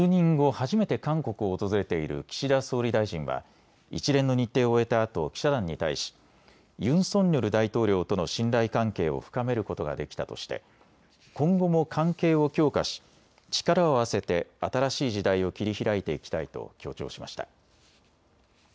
初めて韓国を訪れている岸田総理大臣は一連の日程を終えたあと記者団に対しユン・ソンニョル大統領との信頼関係を深めることができたとして、今後も関係を強化し力を合わせて新しい時代を切り開いていきたいと強調しました。